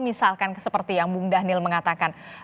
misalkan seperti yang bung daniel mengatakan